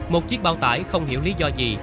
một chiếc bao tải không hiểu lý do gì